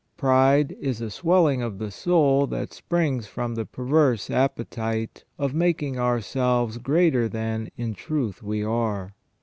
Pride is a swelling of the soul that springs from the perverse appetite of making ourselves greater than in truth we are.